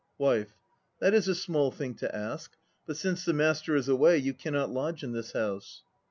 WIFE. That is a small thing to ask. But since the master is away, you cannot lodge in this house.